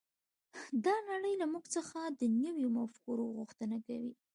دا نړۍ له موږ څخه د نویو مفکورو غوښتنه کوي